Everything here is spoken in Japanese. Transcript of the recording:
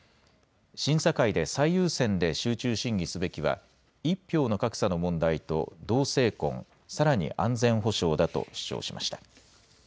審査会で最優先で集中審議すべきは、１票の格差の問題と同性婚、さらに安全保障だと主張しました。